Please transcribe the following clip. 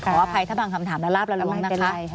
ขออภัยถ้าบางคำถามนั้นรับแล้วลงนะคะ